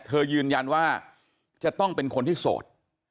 ยืนยันว่าจะต้องเป็นคนที่โสด